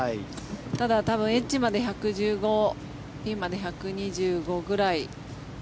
ただ、多分エッジまで１６５ピンまで１２５ぐらい。